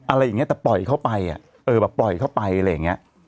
อะไรอย่างนี้แต่ปล่อยเข้าไปปล่อยเข้าไปอะไรอย่างนี้